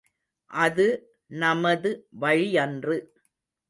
அது நமது வழியன்று.